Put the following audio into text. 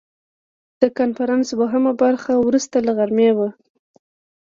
د کنفرانس دوهمه برخه وروسته له غرمې وه.